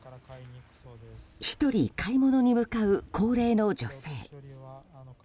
１人、買い物に向かう高齢の女性。